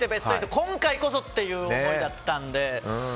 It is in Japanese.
今回こそっていう思いだったので。